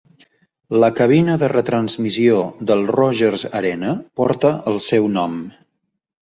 La cabina de retransmissió del Rogers Arena porta el seu nom.